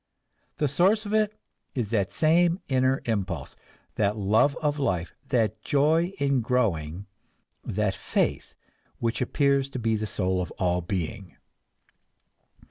The source of it is that same inner impulse, that love of life, that joy in growing, that faith which appears to be the soul of all being.